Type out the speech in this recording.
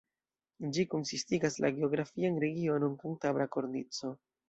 Ĝi konsistigas la geografian regionon Kantabra Kornico.